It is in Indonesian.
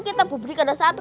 kita bubur di kelantan sapi